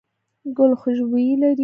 ګل خوشبويي لري.